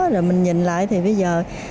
rồi mình nhìn lại thì bây giờ